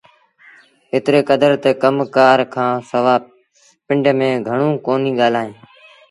ايتري ڪدر تا ڪم ڪآر کآݩ سوا پنڊ ميݩ گھڻوݩ ڪونهيٚ ڳآلائيٚݩ